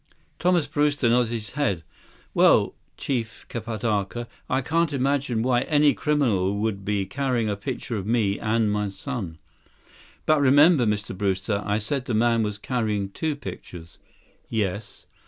Thomas Brewster nodded his head. "Well, Chief Kapatka, I can't imagine why any criminal would be carrying a picture of me and my son." "But remember, Mr. Brewster, I said that man was carrying two pictures." "Yes."